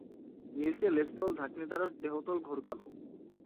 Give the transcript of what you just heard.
নীলচে লেজতল-ঢাকনি ছাড়া দেহতল ঘোর কালো।